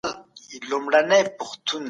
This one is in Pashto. ستا خړي سترګي او ښايسته مخ دي